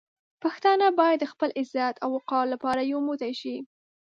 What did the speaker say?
پښتانه باید د خپل عزت او وقار لپاره یو موټی شي.